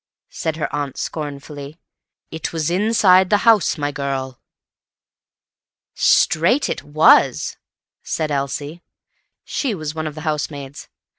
said her aunt scornfully. "It was inside the house, my girl." "Straight it was," said Elsie. She was one of the housemaids.